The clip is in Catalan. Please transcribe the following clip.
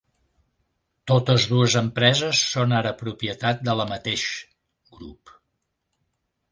Totes dues empreses són ara propietat de la mateix grup.